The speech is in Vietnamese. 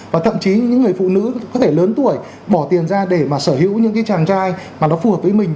và thậm chí những người phụ nữ có thể lớn tuổi bỏ tiền ra để mà sở hữu những cái chàng trai mà nó phù hợp với mình